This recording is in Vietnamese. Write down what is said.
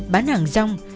bán hàng rong